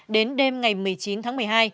đến đêm ngày một mươi chín tháng một mươi hai